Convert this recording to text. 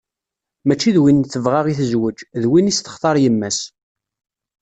Mačči d win tebɣa i tezweǧ, d win i s-textar yemma-s.